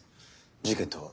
事件とは？